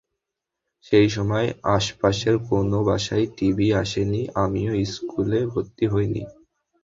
সেই সময় আশপাশের কোনো বাসায় টিভি আসেনি, আমিও স্কুলে ভর্তি হইনি।